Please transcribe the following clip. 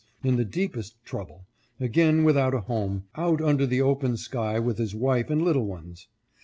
in the deepest trouble, again without a home, out under the open sky with his wife and little ones.